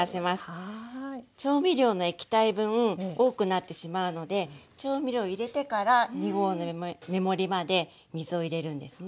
調味料の液体分多くなってしまうので調味料を入れてから２合の目盛りまで水を入れるんですね。